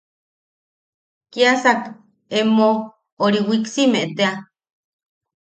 Kiasak emo... ori... wiksiime tea...